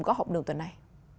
góp học đường tuần này